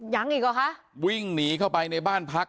ยังอีกหรอคะวิ่งหนีเข้าไปในบ้านพัก